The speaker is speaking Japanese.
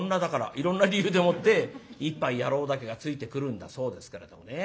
いろんな理由でもって「一杯やろう」だけがついてくるんだそうですけれどもね。